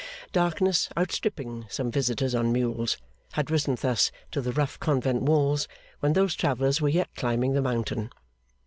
Darkness, outstripping some visitors on mules, had risen thus to the rough convent walls, when those travellers were yet climbing the mountain.